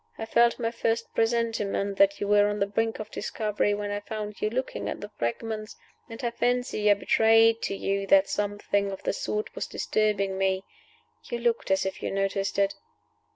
I felt my first presentiment that you were on the brink of discovery when I found you looking at the fragments, and I fancy I betrayed to you that something of the sort was disturbing me. You looked as if you noticed it."